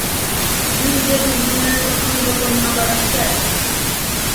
يوجد هناك فندق عبر الشارع.